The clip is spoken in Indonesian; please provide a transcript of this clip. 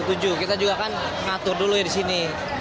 pintu tujuh kita juga kan ngatur dulu ya disini